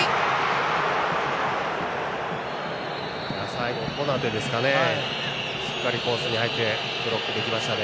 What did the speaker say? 最後、コナテですかね。